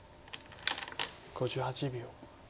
５８秒。